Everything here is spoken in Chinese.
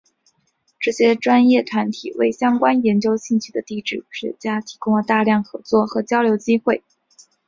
这些专业团体为相关研究兴趣的地理学家提供了大量合作和交流机会。